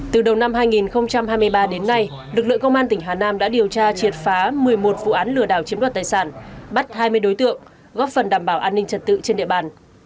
từ đầu năm hai nghìn hai mươi ba đến nay lực lượng công an tỉnh hà nam đã điều tra triệt phá một mươi một vụ án lừa đảo chiếm đoạt tài sản bắt hai mươi đối tượng góp phần đảm bảo an ninh trật tự trên địa bàn